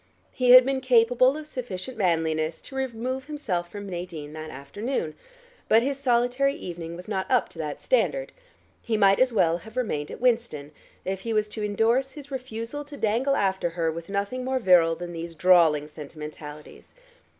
He had been capable of sufficient manliness to remove himself from Nadine that afternoon, but his solitary evening was not up to that standard; he might as well have remained at Winston, if he was to endorse his refusal to dangle after her with nothing more virile than those drawling sentimentalities.